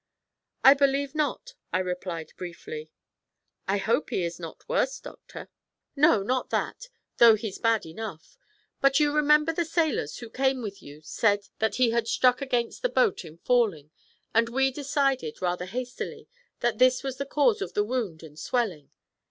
'I believe not,' I replied briefly. 'I hope he is not worse, doctor?' 'No, not that, though he's bad enough. But you remember the sailors who came with you said that he had struck against the boat in falling, and we decided, rather hastily, that this was the cause of the wound and swelling.